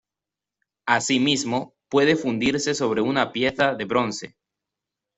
Asimismo puede fundirse sobre una pieza de bronce.